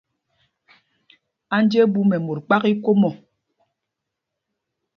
Anjeɓúm ɛ́ mot kpák íkom ɔ̂.